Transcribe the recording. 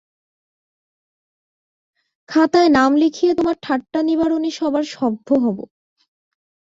খাতায় নাম লিখিয়ে তোমার ঠাট্টানিবারণী সভার সভ্য হব!